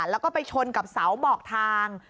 แล้วก็ไปชนกับเสาบอกทาง